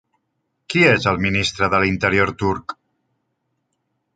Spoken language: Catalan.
Qui és el ministre de l'Interior turc?